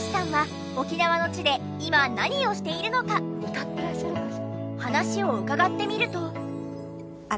歌ってらっしゃるかしら？